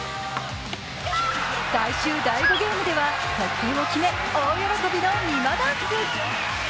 最終第５ゲームでは得点を決め、大喜びのみまダンス。